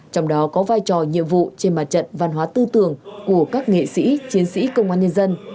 trong đó có vai trò nhiệm vụ trên mặt trận văn hóa tư tưởng của các nghệ sĩ chiến sĩ công an nhân dân